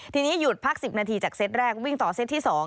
ทีนี้หยุดพัก๑๐นาทีจากเซตแรกวิ่งต่อเซตที่๒